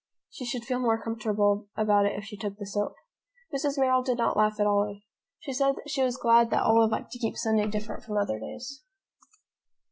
She should feel more comfortable about it if she took the soap. Mrs. Merrill did not laugh at Olive. She said she was glad that Olive liked to keep Sunday different from other days.